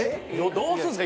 どうするんですか？